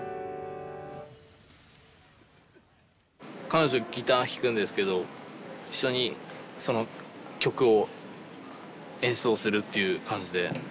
彼女ギター弾くんですけど一緒に曲を演奏するっていう感じで練習してます。